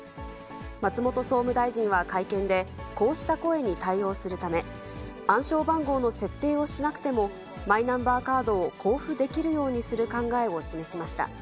松本総務大臣は会見で、こうした声に対応するため、暗証番号の設定をしなくても、マイナンバーカードを交付できるようにする考えを示しました。